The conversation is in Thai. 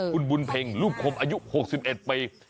คุณบุญเพ็งลูกคมอายุ๖๑ปี